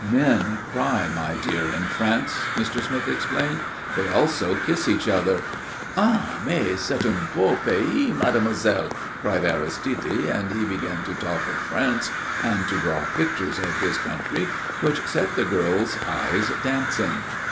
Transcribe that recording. "Men cry, my dear, in France," Mr. Smith explained. "They also kiss each other." "Ah, mais c'est un beau pays, mademoiselle!" cried Aristide, and he began to talk of France and to draw pictures of his country which set the girl's eyes dancing.